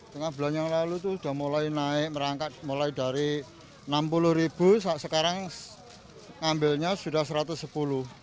tengah bulan yang lalu itu sudah mulai naik merangkat mulai dari rp enam puluh ribu sekarang ngambilnya sudah rp satu ratus sepuluh